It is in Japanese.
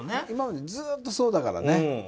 今までずっとそうだからね。